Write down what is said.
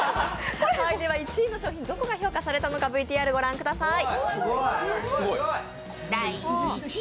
１位の商品、どこが評価されたのか御覧ください。